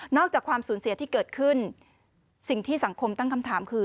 อกจากความสูญเสียที่เกิดขึ้นสิ่งที่สังคมตั้งคำถามคือ